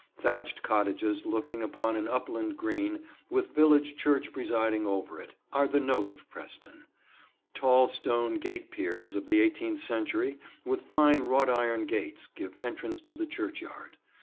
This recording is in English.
Thatched cottages looking upon an upland green, with village church presiding over it, are the note of Preston. Tall stone gate piers of the eighteenth century, with fine wrought iron gates, give entrance to the churchyard.